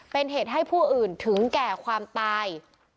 เป็นเหตุให้ผู้อื่นถึงแก่ความตาย